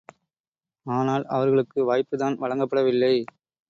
ஆனால் அவர்களுக்கு வாய்ப்புதான் வழங்கப்படவில்லை.